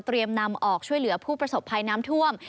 นำออกช่วยเหลือผู้ประสบภัยน้ำท่วม